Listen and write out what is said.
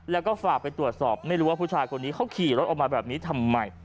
แล้วก็ฝากไปตรวจสอบไม่รู้ว่าผู้ชายคนนี้เขาขี่รถออกมาแบบนี้ทำไม